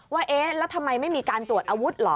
เอ๊ะแล้วทำไมไม่มีการตรวจอาวุธเหรอ